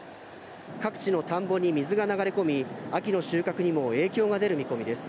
各地の田んぼに水が流れ込み、秋の収穫にも影響が出る見込みです。